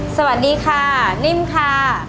สวัสดีค่ะนิ่มค่ะ